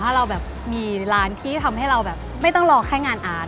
ถ้าเราแบบมีร้านที่ทำให้เราแบบไม่ต้องรอแค่งานอาร์ต